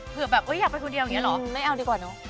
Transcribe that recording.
เผื่อแบบอยากไปคนเดียวอย่างนี้เหรอไม่เอาดีกว่าเนอะ